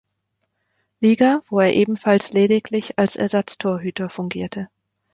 Liga, wo er ebenfalls lediglich als Ersatztorhüter fungierte.